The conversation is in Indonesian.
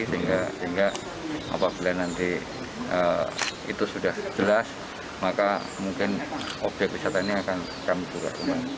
sehingga apabila nanti itu sudah jelas maka mungkin objek wisata ini akan kami buka